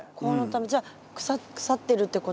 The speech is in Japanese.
じゃあ腐ってるってことですか？